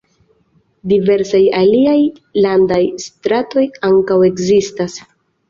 Diversaj aliaj landaj stratoj ankaŭ ekzistas.